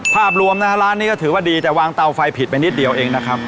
ภาพรวมนะฮะร้านนี้ก็ถือว่าดีแต่วางเตาไฟผิดไปนิดเดียวเองนะครับ